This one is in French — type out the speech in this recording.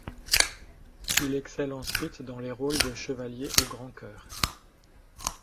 Il excelle ensuite dans les rôles de chevalier au grand cœur.